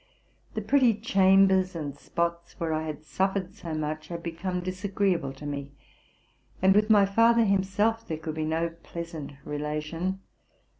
The pretty chambers and spots where I had suf fered so much had become disagreeable to me, and with my father himself there could be no pleasant relation.